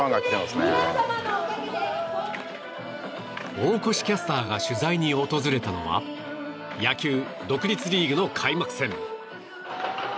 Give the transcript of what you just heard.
大越キャスターが取材に訪れたのは野球・独立リーグの開幕戦。